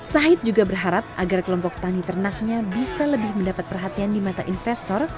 sahid juga berharap agar kelompok tani ternaknya bisa lebih mendapat perhatian di mata investor